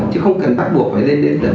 chứ không cần bắt buộc phải lên đến tầng